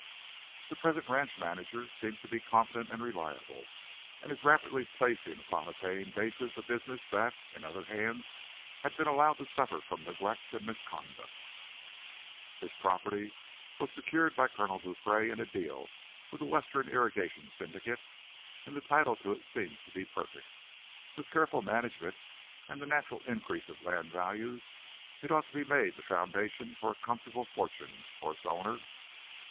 "'The present ranch manager seems to be competent and reliable, and is rapidly placing upon a paying basis a business that, in other hands, had been allowed to suffer from neglect and misconduct. "'This property was secured by Colonel Beaupree in a deal with a Western irrigation syndicate, and the title to it seems to be perfect. With careful management and the natural increase of land values, it ought to be made the foundation for a comfortable fortune for its owner.